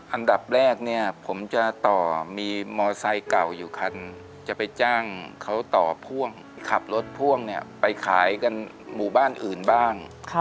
อันดับแรกเนี่ยผมจะต่อมีมอไซค์เก่าอยู่คันจะไปจ้างเขาต่อพ่วงขับรถพ่วงเนี่ยไปขายกันหมู่บ้านอื่นบ้าง